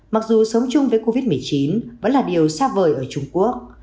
mặc dù sống chung với covid một mươi chín vẫn là điều xa vời ở trung quốc